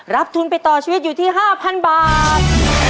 ทุนไปต่อชีวิตอยู่ที่๕๐๐บาท